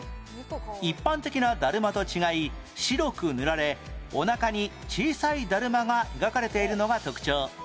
一般的なだるまと違い白く塗られお腹に小さいだるまが描かれているのが特徴